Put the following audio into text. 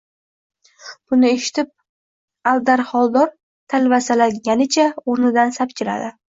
Buni eshitib, Aldar Xoldor talvasalanganicha o‘rnidan sapchiladi: